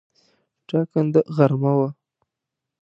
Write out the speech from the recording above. ټاکنده غرمه وه.